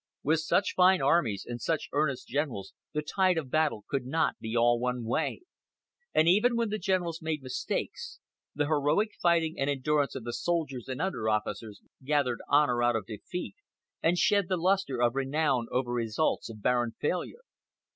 With such fine armies and such earnest generals the tide of battle could not be all one way; and even when the generals made mistakes, the heroic fighting and endurance of the soldiers and under officers gathered honor out of defeat, and shed the luster of renown over results of barren failure.